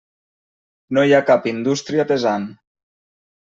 No hi ha cap indústria pesant.